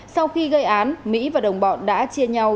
sau khi gây án mỹ và đồng bọn đã chia nhau